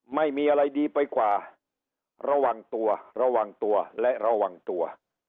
ไม่มีอะไรดีไปกว่าระวังตัวระวังตัวและระวังตัว